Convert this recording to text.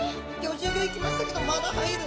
５５いきましたけどまだ入る。